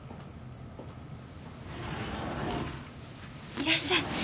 いらっしゃい。